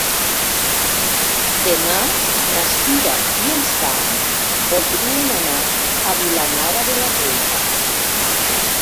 Demà na Cira i en Sam voldrien anar a Vilanova de la Reina.